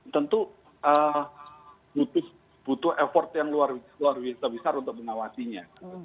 tentu butuh effort yang luar biasa besar untuk mengawasinya